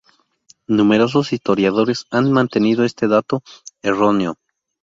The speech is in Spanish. Numerosos historiadores han mantenido este dato, erróneo.